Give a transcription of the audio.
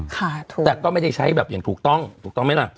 ถูกแต่ก็ไม่ได้ใช้แบบอย่างถูกต้องถูกต้องไหมล่ะ